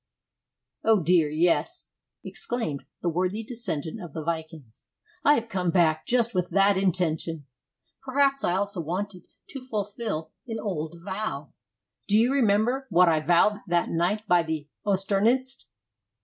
"O dear, yes," exclaimed the worthy descendant of the Vikings. "I have come back just with that intention. Perhaps I also wanted to fulfill an old vow. Do you remember what I vowed that night by the Oternnest?"